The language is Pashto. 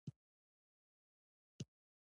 زړه د صادقو اړیکو قدر کوي.